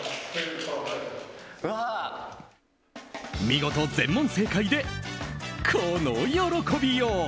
見事、全問正解でこの喜びよう！